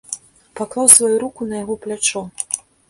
Паклаў сваю руку на яго плячо.